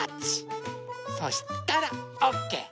そしたらオッケー。